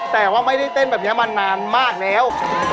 แต่ว่าไม่ได้เต้นแบบนี้มานานมากแล้ว